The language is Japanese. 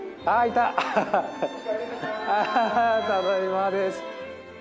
ただいまです。